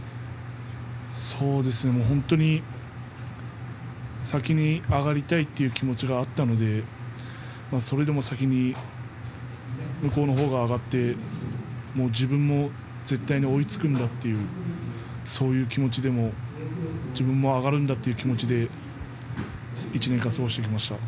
そうですね、本当に先に上がりたいという気持ちがあったのでそれでも先に向こうの方が上がってもう、自分も絶対に追いつくんだというそういう気持ちで自分も上がるんだという気持ちで１年間過ごしました。